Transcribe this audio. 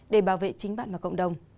để bảo vệ chính bạn và cộng đồng